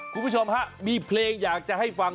คุณผู้ชมฮะมีเพลงอยากจะให้ฟัง